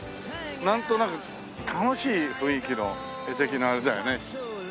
なんとなく楽しい雰囲気の画的なあれだよね。